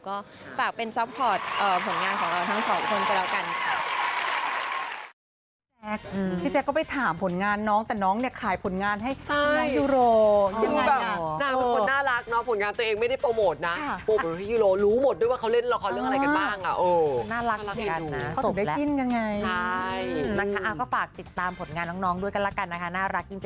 ก็ฝากเป็นซัพพอร์ตผลงานของเราทั้งสองคนก็แล้วกันค่ะ